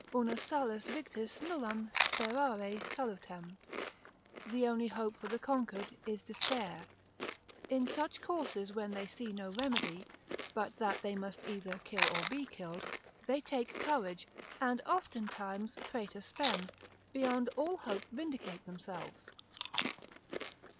Una salus victis nullam sperare salutem, the only hope for the conquered is despair. In such courses when they see no remedy, but that they must either kill or be killed, they take courage, and oftentimes, praeter spem, beyond all hope vindicate themselves.